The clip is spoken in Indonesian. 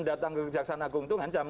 datang ke jaksana gung itu ngancam